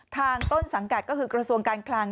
ต้นสังกัดก็คือกระทรวงการคลัง